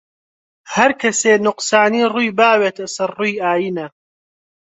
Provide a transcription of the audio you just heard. هەر کەسێ نوقسانی ڕووی باوێتە سەر ڕووی ئاینە